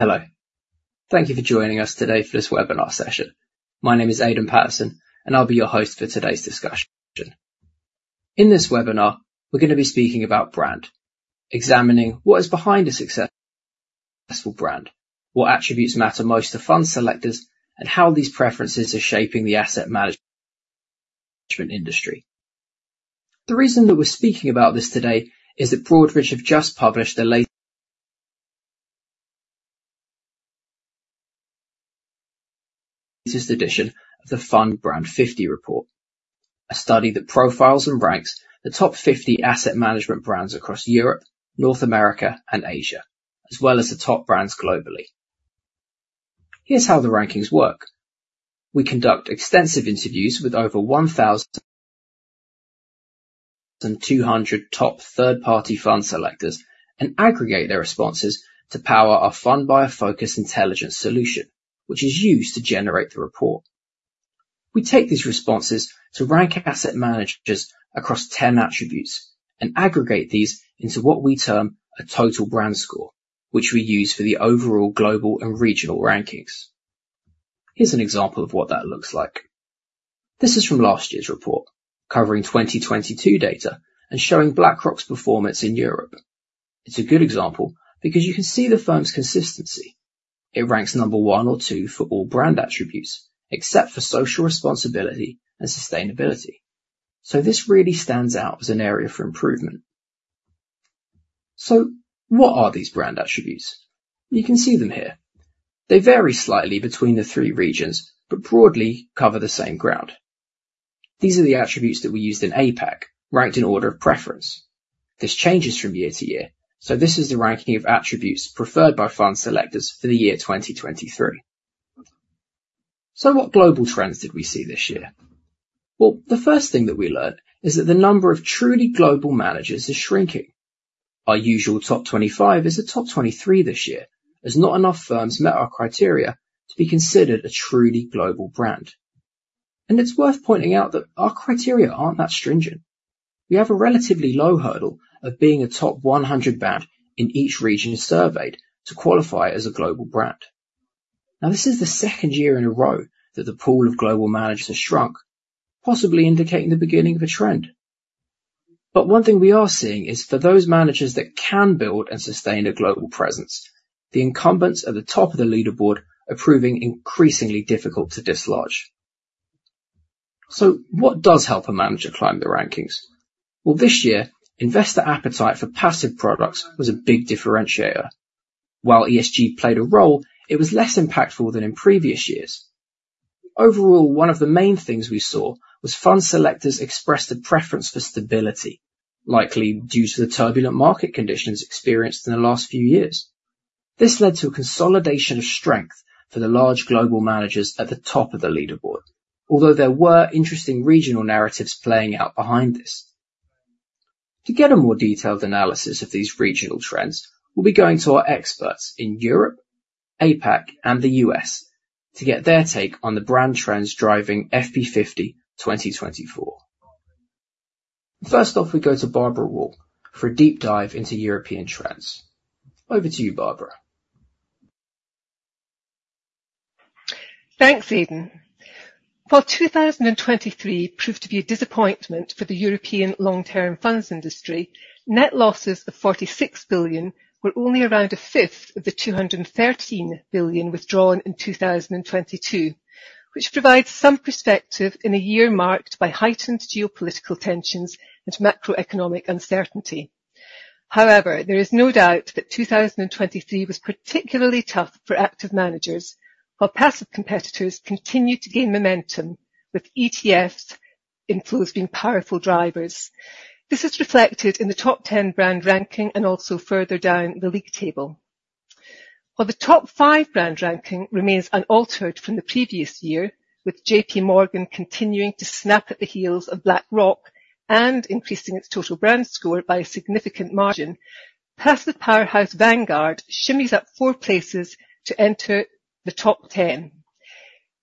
Hello. Thank you for joining us today for this webinar session. My name is Aidan Paterson, and I'll be your host for today's discussion. In this webinar, we're going to be speaking about brand, examining what is behind a successful brand, what attributes matter most to fund selectors, and how these preferences are shaping the asset management industry. The reason that we're speaking about this today is that Broadridge have just published the latest edition of the Fund Brand 50 Report, a study that profiles and ranks the top 50 asset management brands across Europe, North America, and Asia, as well as the top brands globally. Here's how the rankings work: we conduct extensive interviews with over 1,200 top third-party fund selectors and aggregate their responses to power our Fund Buyer Focus Intelligence Solution, which is used to generate the report. We take these responses to rank asset managers across 10 attributes and aggregate these into what we term a total brand score, which we use for the overall global and regional rankings. Here's an example of what that looks like. This is from last year's report, covering 2022 data and showing BlackRock's performance in Europe. It's a good example because you can see the firm's consistency: it ranks number one or two for all brand attributes, except for social responsibility and sustainability. So what are these brand attributes? You can see them here. They vary slightly between the three regions, but broadly cover the same ground. These are the attributes that we used in APAC, ranked in order of preference. This changes from year to year, so this is the ranking of attributes preferred by fund selectors for the year 2023. So what global trends did we see this year? Well, the first thing that we learned is that the number of truly global managers is shrinking. Our usual top 25 is a top 23 this year, as not enough firms met our criteria to be considered a truly global brand. It's worth pointing out that our criteria aren't that stringent. We have a relatively low hurdle of being a top 100 brand in each region surveyed to qualify as a global brand. Now, this is the second year in a row that the pool of global managers has shrunk, possibly indicating the beginning of a trend. But one thing we are seeing is, for those managers that can build and sustain a global presence, the incumbents at the top of the leaderboard are proving increasingly difficult to dislodge. So what does help a manager climb the rankings? Well, this year, investor appetite for passive products was a big differentiator. While ESG played a role, it was less impactful than in previous years. Overall, one of the main things we saw was fund selectors expressed a preference for stability, likely due to the turbulent market conditions experienced in the last few years. This led to a consolidation of strength for the large global managers at the top of the leaderboard, although there were interesting regional narratives playing out behind this. To get a more detailed analysis of these regional trends, we'll be going to our experts in Europe, APAC, and the U.S. to get their take on the brand trends driving FP50 2024. First off, we go to Barbara Wall for a deep dive into European trends. Over to you, Barbara. Thanks, Eden. While 2023 proved to be a disappointment for the European long-term funds industry, net losses of 46 billion were only around a fifth of the 213 billion withdrawn in 2022, which provides some perspective in a year marked by heightened geopolitical tensions and macroeconomic uncertainty. However, there is no doubt that 2023 was particularly tough for active managers, while passive competitors continued to gain momentum, with ETFs inflows being powerful drivers. This is reflected in the top 10 brand ranking and also further down the league table. While the top 5 brand ranking remains unaltered from the previous year, with J.P. Morgan continuing to snap at the heels of BlackRock and increasing its total brand score by a significant margin, passive powerhouse Vanguard shimmys up four places to enter the top 10.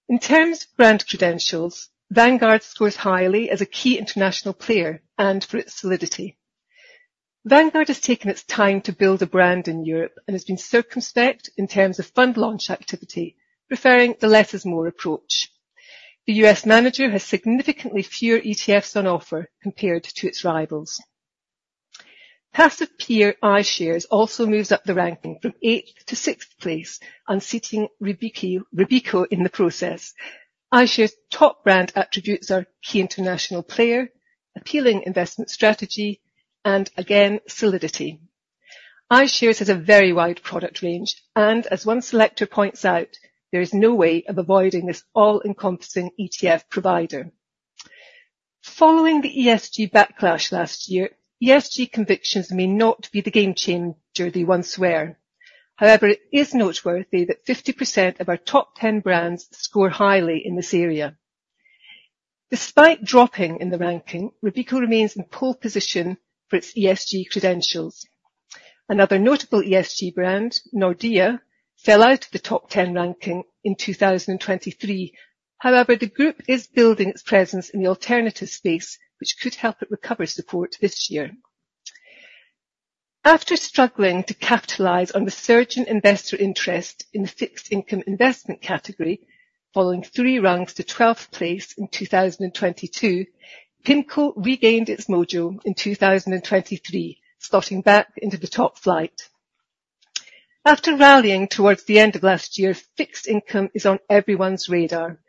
In terms of brand credentials, Vanguard scores highly as a key international player and for its solidity. Vanguard has taken its time to build a brand in Europe and has been circumspect in terms of fund launch activity, preferring the less-is-more approach. The US manager has significantly fewer ETFs on offer compared to its rivals. Passive peer iShares also moves up the ranking from eighth to sixth place, unseating Robeco in the process. iShares' top brand attributes are key international player, appealing investment strategy, and, again, solidity. iShares has a very wide product range, and as one selector points out, there is no way of avoiding this all-encompassing ETF provider. Following the ESG backlash last year, ESG convictions may not be the game-changer they once were. However, it is noteworthy that 50% of our top 10 brands score highly in this area. Despite dropping in the ranking, Robeco remains in pole position for its ESG credentials. Another notable ESG brand, Nordea, fell out of the top 10 ranking in 2023. However, the group is building its presence in the alternative space, which could help it recover support this year. After struggling to capitalize on the surging investor interest in the fixed income investment category, following three rungs to 12th place in 2022, PIMCO regained its mojo in 2023, slotting back into the top flight. After rallying towards the end of last year, fixed income is on everyone's radar.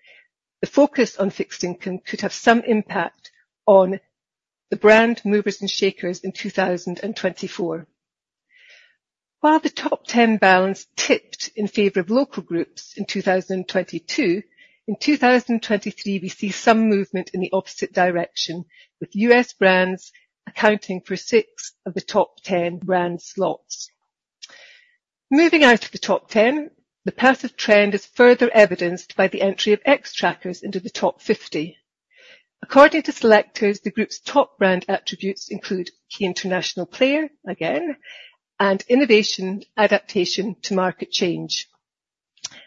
The focus on fixed income could have some impact on the brand movers and shakers in 2024. While the top 10 balance tipped in favor of local groups in 2022, in 2023 we see some movement in the opposite direction, with US brands accounting for six of the top 10 brand slots. Moving out of the top 10, the passive trend is further evidenced by the entry of Xtrackers into the top 50. According to selectors, the group's top brand attributes include key international player, again, and innovation, adaptation to market change.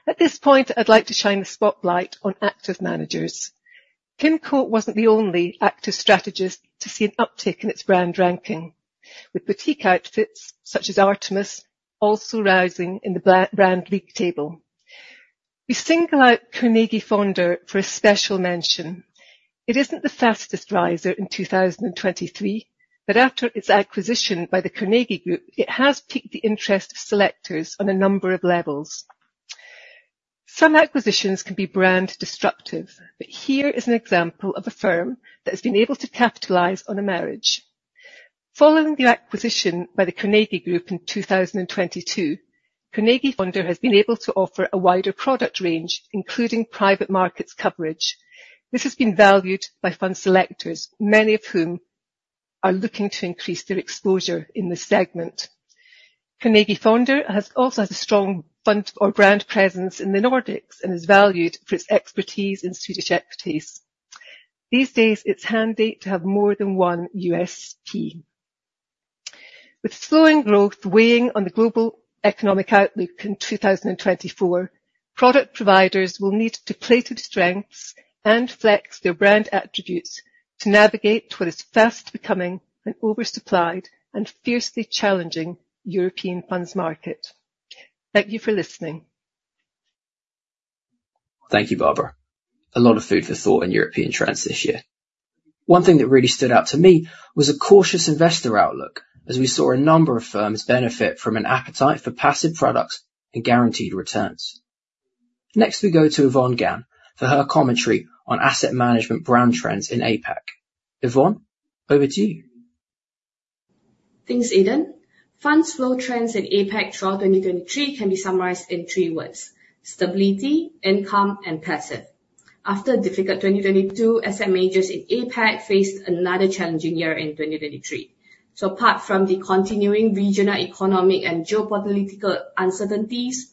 At this point, I'd like to shine the spotlight on active managers. PIMCO wasn't the only active strategist to see an uptick in its brand ranking, with boutique outfits such as Artemis also rising in the brand league table. We single out Carnegie Fonder for a special mention. It isn't the fastest riser in 2023, but after its acquisition by the Carnegie Group, it has piqued the interest of selectors on a number of levels. Some acquisitions can be brand disruptive, but here is an example of a firm that has been able to capitalize on a marriage. Following the acquisition by the Carnegie Group in 2022, Carnegie Fonder has been able to offer a wider product range, including private markets coverage. This has been valued by fund selectors, many of whom are looking to increase their exposure in this segment. Carnegie Fonder also has a strong fund or brand presence in the Nordics and is valued for its expertise in Swedish equities. These days, it's handy to have more than one USP. With slowing growth weighing on the global economic outlook in 2024, product providers will need to plate in strengths and flex their brand attributes to navigate toward its fast-becoming and oversupplied and fiercely challenging European funds market. Thank you for listening. Thank you, Barbara. A lot of food for thought in European trends this year. One thing that really stood out to me was a cautious investor outlook, as we saw a number of firms benefit from an appetite for passive products and guaranteed returns. Next, we go to Evonne Gan for her commentary on asset management brand trends in APAC. Evonne, over to you. Thanks, Eden. Fund flow trends in APAC for 2023 can be summarized in three words: stability, income, and passive. After a difficult 2022, asset managers in APAC faced another challenging year in 2023. So apart from the continuing regional economic and geopolitical uncertainties,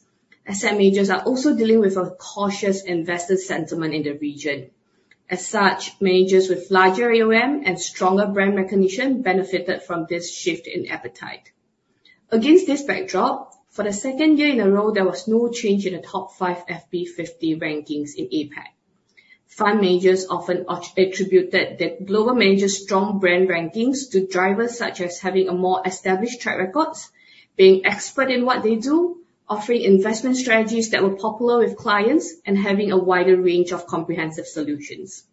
asset managers are also dealing with a cautious investor sentiment in the region. As such, managers with larger AUM and stronger brand recognition benefited from this shift in appetite. Against this backdrop, for the second year in a row, there was no change in the top 5 FP50 rankings in APAC. Fund managers often attributed the global managers' strong brand rankings to drivers such as having more established track records, being expert in what they do, offering investment strategies that were popular with clients, and having a wider range of comprehensive solutions.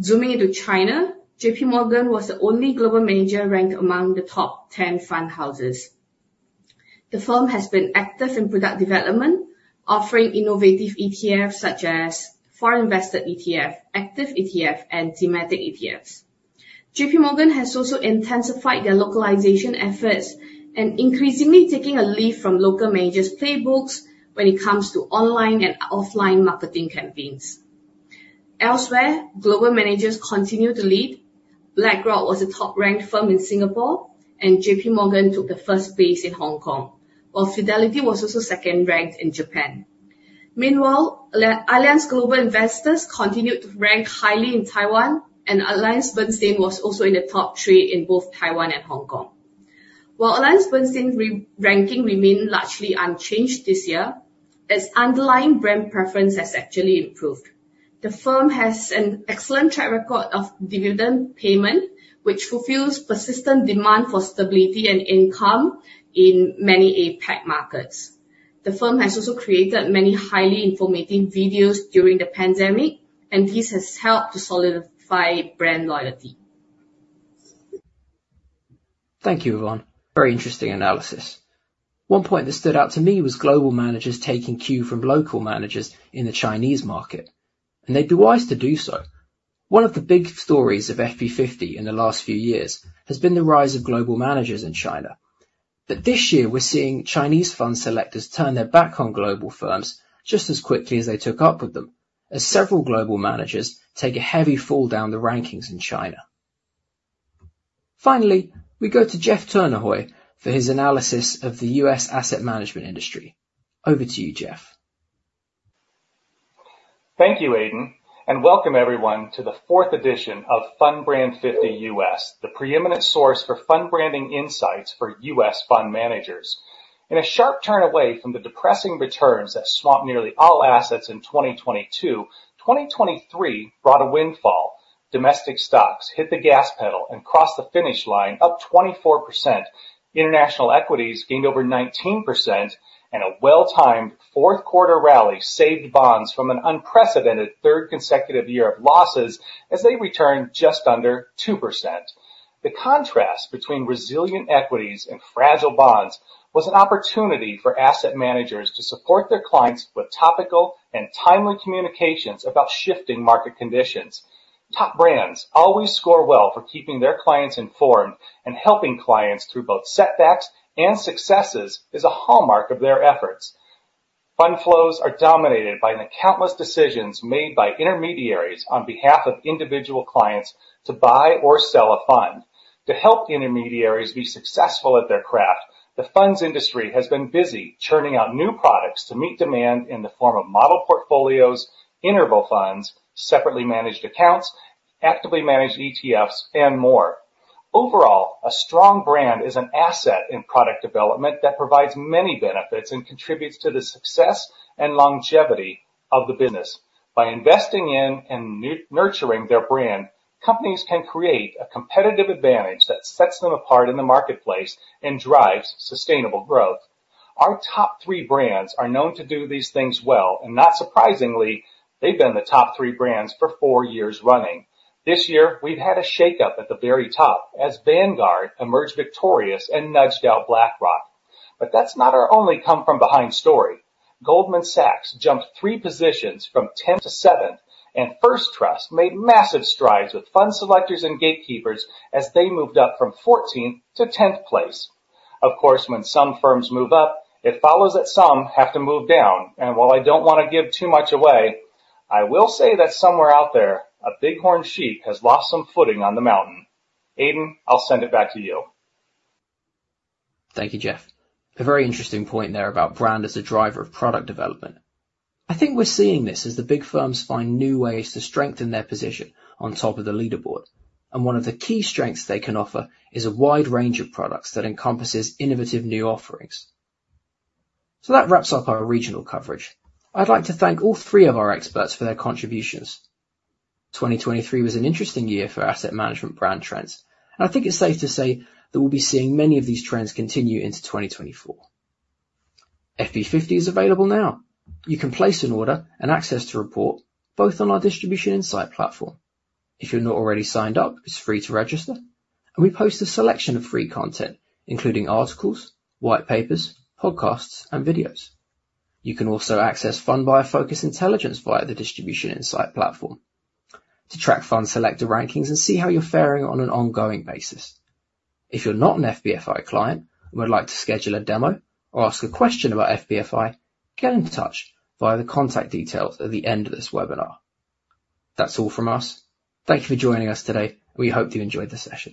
Zooming into China, J.P. Morgan was the only global manager ranked among the top 10 fund houses. The firm has been active in product development, offering innovative ETFs such as foreign-invested ETF, active ETF, and thematic ETFs. J.P. Morgan has also intensified their localization efforts and increasingly taken a leaf from local managers' playbooks when it comes to online and offline marketing campaigns. Elsewhere, global managers continue to lead. BlackRock was the top-ranked firm in Singapore, and J.P. Morgan took the first place in Hong Kong, while Fidelity was also second-ranked in Japan. Meanwhile, Allianz Global Investors continued to rank highly in Taiwan, and AllianceBernstein was also in the top three in both Taiwan and Hong Kong. While AllianceBernstein's ranking remained largely unchanged this year, its underlying brand preference has actually improved. The firm has an excellent track record of dividend payment, which fulfills persistent demand for stability and income in many APAC markets. The firm has also created many highly informative videos during the pandemic, and this has helped to solidify brand loyalty. Thank you, Evonne. Very interesting analysis. One point that stood out to me was global managers taking cue from local managers in the Chinese market, and they'd be wise to do so. One of the big stories of FP50 in the last few years has been the rise of global managers in China. But this year, we're seeing Chinese fund selectors turn their back on global firms just as quickly as they took up with them, as several global managers take a heavy fall down the rankings in China. Finally, we go to Jeff Tjornehoj for his analysis of the US asset management industry. Over to you, Jeff. Thank you, Aidan, and welcome, everyone, to the fourth edition of Fund Brand 50 US, the preeminent source for fund branding insights for US fund managers. In a sharp turn away from the depressing returns that swamped nearly all assets in 2022, 2023 brought a windfall. Domestic stocks hit the gas pedal and crossed the finish line up 24%. International equities gained over 19%, and a well-timed fourth-quarter rally saved bonds from an unprecedented third consecutive year of losses as they returned just under 2%. The contrast between resilient equities and fragile bonds was an opportunity for asset managers to support their clients with topical and timely communications about shifting market conditions. Top brands always score well for keeping their clients informed, and helping clients through both setbacks and successes is a hallmark of their efforts. Fund flows are dominated by the countless decisions made by intermediaries on behalf of individual clients to buy or sell a fund. To help intermediaries be successful at their craft, the funds industry has been busy churning out new products to meet demand in the form of model portfolios, interval funds, separately managed accounts, actively managed ETFs, and more. Overall, a strong brand is an asset in product development that provides many benefits and contributes to the success and longevity of the business. By investing in and nurturing their brand, companies can create a competitive advantage that sets them apart in the marketplace and drives sustainable growth. Our top three brands are known to do these things well, and not surprisingly, they've been the top three brands for four years running. This year, we've had a shakeup at the very top as Vanguard emerged victorious and nudged out BlackRock. That's not our only come-from-behind story. Goldman Sachs jumped three positions from 10th to 7th, and First Trust made massive strides with fund selectors and gatekeepers as they moved up from 14th to 10th place. Of course, when some firms move up, it follows that some have to move down. While I don't want to give too much away, I will say that somewhere out there, a bighorn sheep has lost some footing on the mountain. Aidan, I'll send it back to you. Thank you, Jeff. A very interesting point there about brand as a driver of product development. I think we're seeing this as the big firms find new ways to strengthen their position on top of the leaderboard, and one of the key strengths they can offer is a wide range of products that encompasses innovative new offerings. So that wraps up our regional coverage. I'd like to thank all three of our experts for their contributions. 2023 was an interesting year for asset management brand trends, and I think it's safe to say that we'll be seeing many of these trends continue into 2024. FP50 is available now. You can place an order and access to a report both on our Distribution Insight platform. If you're not already signed up, it's free to register, and we post a selection of free content, including articles, white papers, podcasts, and videos. You can also access Fund Buyer Focus Intelligence via the Distribution Insight platform to track fund selector rankings and see how you're faring on an ongoing basis. If you're not an FBFI client and would like to schedule a demo or ask a question about FBFI, get in touch via the contact details at the end of this webinar. That's all from us. Thank you for joining us today, and we hope you enjoyed the session.